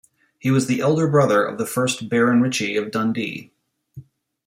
He was the elder brother of the first Baron Ritchie of Dundee.